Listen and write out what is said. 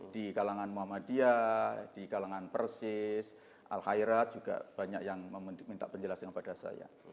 di kalangan muhammadiyah di kalangan persis al khairat juga banyak yang meminta penjelasan kepada saya